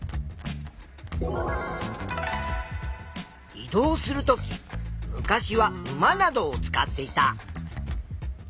移動するとき昔は馬などを使っていた。